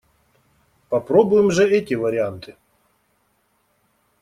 Попробуем же эти варианты!